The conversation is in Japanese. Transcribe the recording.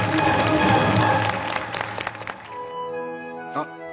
あっ。